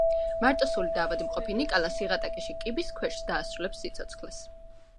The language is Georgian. მარტოსული და ავადმყოფი ნიკალა სიღატაკეში, კიბის ქვეშ დაასრულებს სიცოცხლეს.